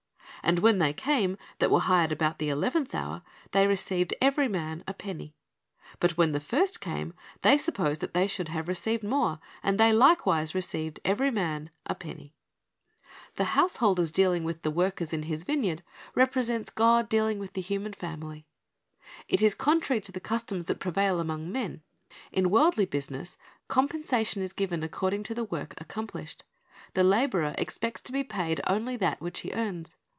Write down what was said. And when they came that were hired about the eleventh hour, they received ev^ery man a penny. But when the first came, they supposed that they should have received more; and they likewise received every man a penny." The householder's dealing with the workers ■ in his Th c Reward of Grace 397 vineyard represents God's dealing with the human family. It is contrary to the customs that prevail among men. In worldly business, compensation is given according to the work accomplished. The laborer expects to be paid only that which he earns.